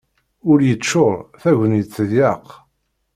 Ul yeččur, tagnit teḍyeq.